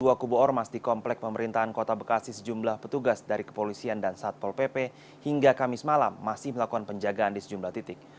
dua kubu ormas di komplek pemerintahan kota bekasi sejumlah petugas dari kepolisian dan satpol pp hingga kamis malam masih melakukan penjagaan di sejumlah titik